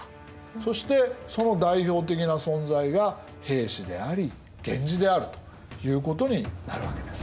そしてその代表的な存在が平氏であり源氏であるということになるわけです。